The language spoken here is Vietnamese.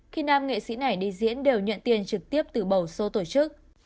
khi nam nghệ sĩ này đi diễn đều nhận tiền trực tiếp từ bầu sô tổ chức